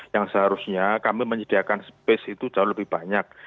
yang seharusnya kami menyediakan space itu jauh lebih banyak